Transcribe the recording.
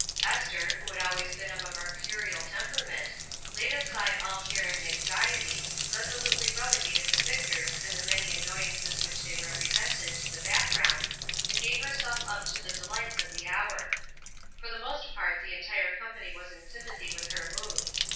Esther, who had always been of a mercurial temperament, laid aside all care and anxiety, resolutely relegated the Victors and the many annoyances which they represented to the background, and gave herself up to the dehghts of the hour. For the most part the entire company was in sympathy with her mood.